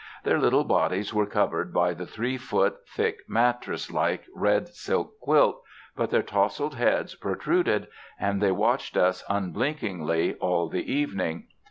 Their little bodies were covered by the three foot thick mattress like red silk quilt, but their tousled heads protruded and they watched us unblinkingly all the evening.